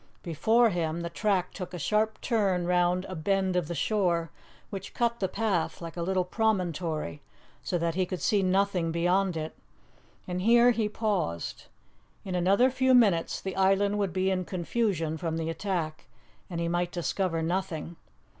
Before him, the track took a sharp turn round a bend of the shore, which cut the path like a little promontory, so that he could see nothing beyond it, and here he paused. In another few minutes the island would be in confusion from the attack, and he might discover nothing.